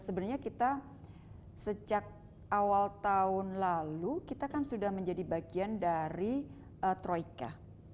sebenarnya kita sejak awal tahun lalu kita kan sudah menjadi bagian dari troika